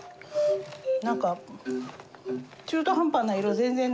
何か中途半端な色全然ないね。